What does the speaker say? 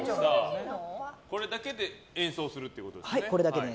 これだけで演奏するということですね。